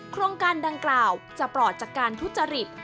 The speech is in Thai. โครงการดังกล่าวจะปลอดจากการทุจริต